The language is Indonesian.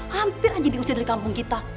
hampir aja diusir di kampung kita